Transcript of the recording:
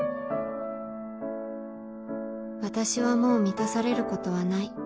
「私はもう満たされることはない」